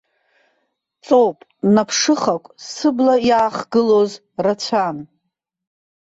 Ҵоуп, наԥшыхақә сыбла иаахгылоз рацәан.